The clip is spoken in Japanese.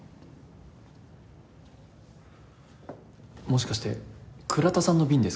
もしかして倉田さんの便ですか？